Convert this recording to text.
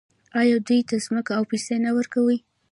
آیا دوی ته ځمکه او پیسې نه ورکوي؟